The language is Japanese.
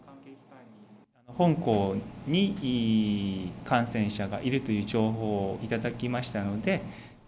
本校に感染者がいるという情報を頂きましたので。